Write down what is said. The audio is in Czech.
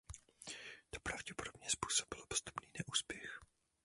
To pravděpodobně způsobilo postupný neúspěch.